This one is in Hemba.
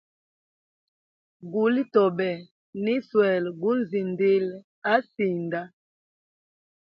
Guli tobe, niswele gunzindile he sinda.